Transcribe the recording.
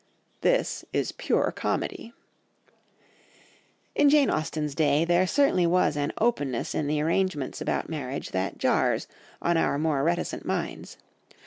'" This is pure comedy! In Jane Austen's day there certainly was an openness in the arrangements about marriage that jars on our more reticent minds.